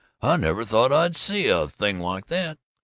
I never thought I'd see a thing like that!